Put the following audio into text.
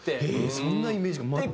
そんなイメージが全くないな。